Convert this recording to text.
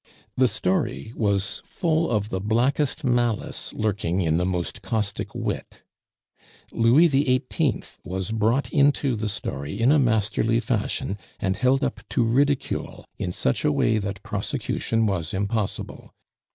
The story was full of the blackest malice lurking in the most caustic wit. Louis XVIII. was brought into the story in a masterly fashion, and held up to ridicule in such a way that prosecution was impossible.